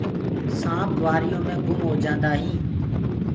سآنپ وآريو مينٚ گُم هوجآندآ هينٚ۔